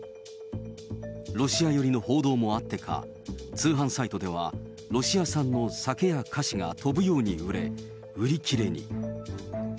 ロシア寄りの報道もあってか、通販サイトでは、ロシア産の酒や菓子が飛ぶように売れ、売り切れに。